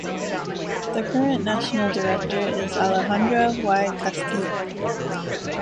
The current National Director is Alejandra Y. Castillo.